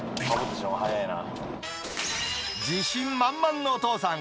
自信満々のお父さん。